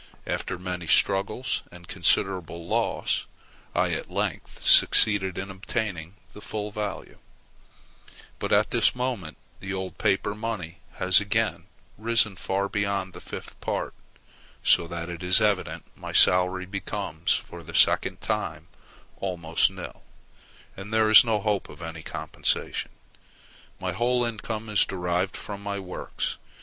After many struggles and considerable loss, I at length succeeded in obtaining the full value; but at this moment the old paper money has again risen far beyond the fifth part, so that it is evident my salary becomes for the second time almost nil, and there is no hope of any compensation. My whole income is derived from my works.